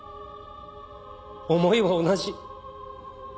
思いは同じ。